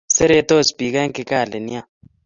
Seretos pik en Kigali nea